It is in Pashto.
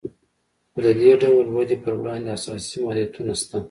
خو د دې ډول ودې پر وړاندې اساسي محدودیتونه شته